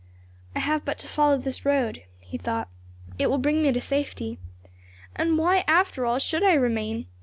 "I have but to follow this road," he thought, "it will bring me to safety. And why, after all, should I remain?